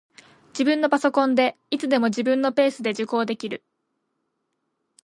自分のパソコンで、いつでも自分のペースで受講できる